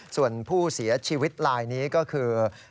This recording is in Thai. ส่วนผู้เสียชีวิตลายนี้ก็คือ